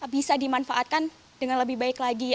bisa dimanfaatkan dengan lebih baik lagi